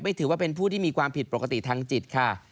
ถือว่าเป็นผู้ที่มีความผิดปกติทางจิตค่ะ